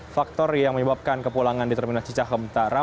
faktor yang menyebabkan kepulangan di terminal cicahem tak ramah